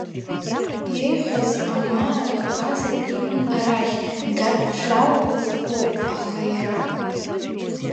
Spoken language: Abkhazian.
Иеиҳәаз, Амаан аказақ иманы, арахь Гарԥ дшалалаз атәоуп, аха иара…